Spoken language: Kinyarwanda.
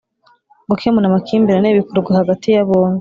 gukemura amakimbirane bikorwa hagati ya bombi